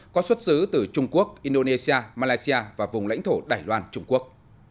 có xuất xứ từ trung quốc indonesia malaysia và vùng lãnh thổ đài loan trung quốc